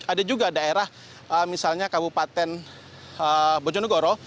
ada juga daerah misalnya kabupaten bojonegoro